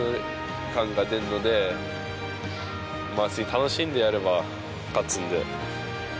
楽しんでやれば勝つんで。